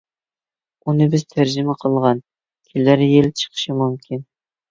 ئۇنى بىز تەرجىمە قىلغان. كېلەر يىل چىقىشى مۇمكىن.